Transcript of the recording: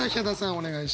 お願いします。